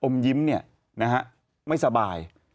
ยิ้มเนี่ยนะฮะไม่สบาย